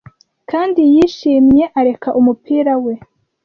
Kandi yishimye areka umupira we